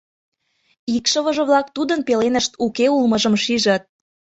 Икшывыже-влак тудын пеленышт уке улмыжым шижыт.